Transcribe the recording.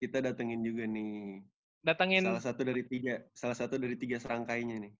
kita datengin juga nih salah satu dari tiga serangkainya nih